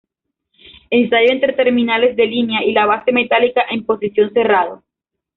Ensayo entre terminales de línea y la base metálica en posición cerrado.